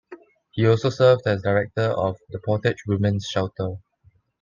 He also served as director of the "Portage Women's Shelter".